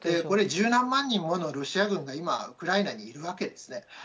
十何万人ものロシア軍が今、ウクライナにいるわけですね。